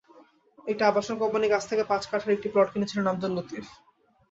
একটি আবাসন কোম্পানির কাছ থেকে পাঁচ কাঠার একটি প্লট কিনেছিলেন আবদুল লতিফ।